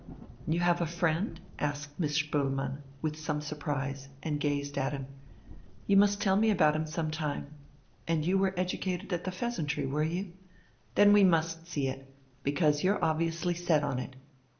"You have a friend?" asked Miss Spoelmann, with some surprise, and gazed at him. "You must tell me about him some time. And you were educated at the 'Pheasantry,' were you? Then we must see it, because you're obviously set on it.